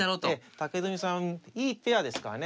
武富さんいいペアですからね。